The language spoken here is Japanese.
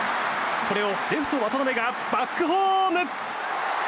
これをレフト渡部がバックホーム！